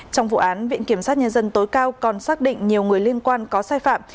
trong vụ án viện kiểm sát nhân dân tối cao còn xác định nhiều người liên quan có sai phạm